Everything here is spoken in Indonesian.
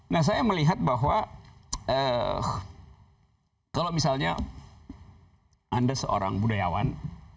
nah saya melihat bahwa kalau misalnya anda seorang budayawan